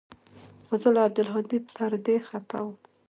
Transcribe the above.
خو زه له عبدالهادي پر دې خپه وم.